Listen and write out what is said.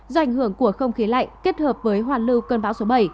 do ảnh hưởng của không khí lạnh kết hợp với hoàn lưu cơn bão số bảy